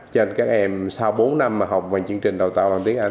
cho nên các em sau bốn năm mà học về chương trình đào tạo bằng tiếng anh